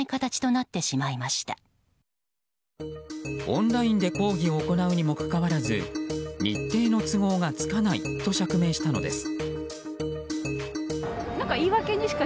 オンラインで講義を行うにもかかわらず日程の都合がつかないと釈明したのです。